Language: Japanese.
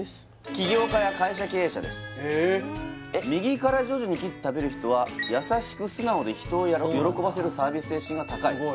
起業家や会社経営者です右から徐々に切って食べる人は優しく素直で人を喜ばせるサービス精神が高い